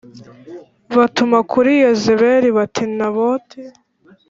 Batuma kuri Yezebeli bati Naboti